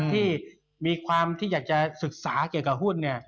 ที่มีความที่อยากจะศึกษาเกี่ยวกับหุ้น